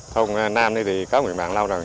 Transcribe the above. thông nam này thì có nguyện bản lâu rồi